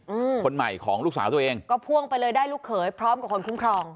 อืมคนใหม่ของลูกสาวตัวเองก็พ่วงไปเลยได้ลูกเขยพร้อมกับคนคุ้มครอง